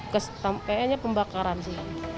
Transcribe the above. kayaknya pembakaran sih